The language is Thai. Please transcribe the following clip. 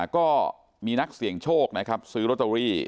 ก็มีนักเสี่ยงโชคนะครับซื้อโรตเตอรี่